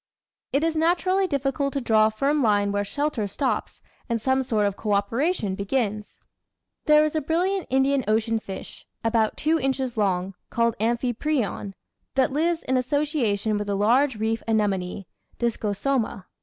It is naturally difficult to draw a firm line where shelter stops and some sort of co operation begins. There is a brilliant Indian Ocean fish, about two inches long, called Amphiprion, that lives in association with a large reef anemone (Discosoma).